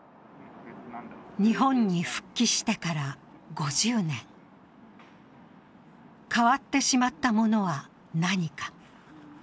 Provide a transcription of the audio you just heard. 日本に復帰してから５０年、変わってしまったものは何か。